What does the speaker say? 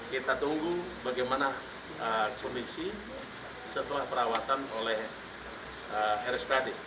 kita tunggu bagaimana kondisi setelah perawatan oleh rspad